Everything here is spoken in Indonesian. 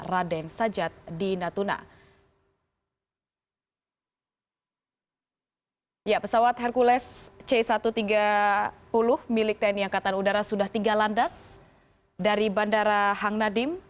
pesawat hercules c satu ratus tiga puluh milik tni angkatan udara sudah tinggal landas dari bandara hang nadiem